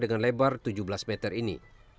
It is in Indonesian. kepala kapal ini berpijat di luar tujuh belas meter ini